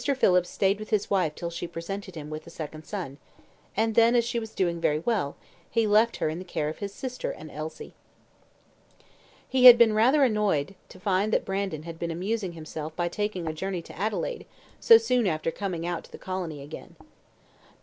Phillips stayed with his wife till she presented him with a second son, and then, as she was doing very well, he left her in the care of his sister and Elsie. He had been rather annoyed to find that Brandon had been amusing himself by taking a journey to Adelaide so soon after coming out to the colony again. Dr.